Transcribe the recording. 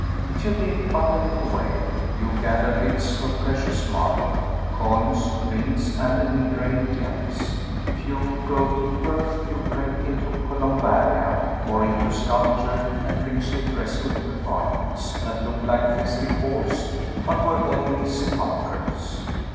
If you dig but a little way, you gather bits of precious marble, coins, rings, and engraved gems; if you go deeper, you break into columbaria, or into sculptured and richly frescoed apartments that look like festive halls, but were only sepulchres.